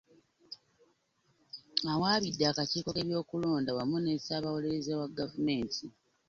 Awaabidde akakiiko k'ebyokulonda wamu ne Ssaabawolereza wa gavumenti.